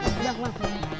eh tidak mas